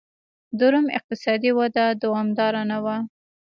د روم اقتصادي وده دوامداره نه وه